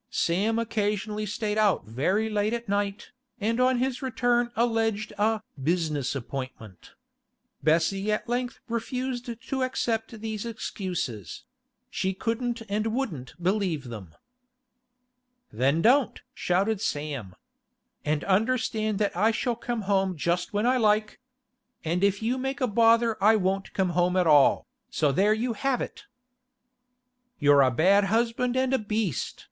Sam occasionally stayed out very late at night, and on his return alleged a 'business appointment.' Bessie at length refused to accept these excuses; she couldn't and wouldn't believe them. 'Then don't!' shouted Sam. 'And understand that I shall come home just when I like. If you make a bother I won't come home at all, so there you have it!' 'You're a bad husband and a beast!